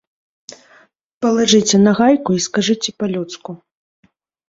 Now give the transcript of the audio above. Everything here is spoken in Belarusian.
Палажыце нагайку і скажыце па-людску.